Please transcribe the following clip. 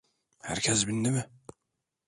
Herkes bindi mi?